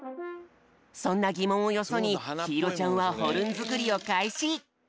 そんなぎもんをよそにひいろちゃんはホルンづくりをかいし！